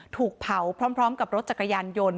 ถูกเผาพร้อมกับรถจักรยานยนต์